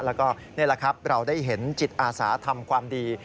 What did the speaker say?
แล้วก็นี่แหละครับเราได้เห็นจิตอาสาทำความดี